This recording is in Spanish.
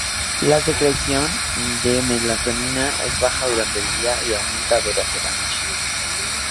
La secreción de melatonina es baja durante el día y aumenta durante la noche.